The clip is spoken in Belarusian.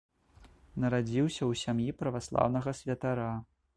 Нарадзіўся ў сям'і праваслаўнага святара.